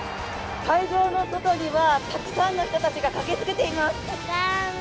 会場の外にはたくさんの人たちが駆けつけています！